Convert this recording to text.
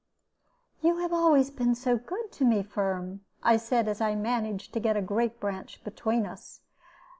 "You have always been good to me, Firm," I said, as I managed to get a great branch between us.